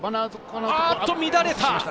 おっと、乱れた。